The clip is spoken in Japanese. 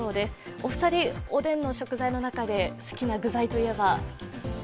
お二人、おでんの食材の中で好きな具材は？